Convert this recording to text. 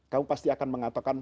kamu pasti akan mengatakan